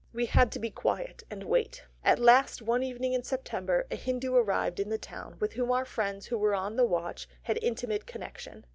We had to be quiet and wait. At last, one evening in September, a Hindu arrived in the town with whom our friends who were on the watch had intimate connection.